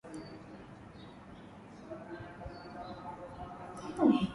Dalili nyingine ya ugonjwa wa pumu ni kutokea kwa vifo vya ghafla kwa mifugo